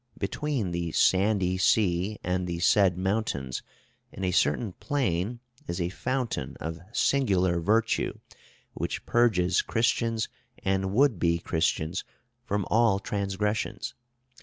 Between the sandy sea and the said mountains, in a certain plain is a fountain of singular virtue, which purges Christians and would be Christians from all transgressions.